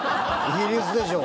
イギリスでしょ。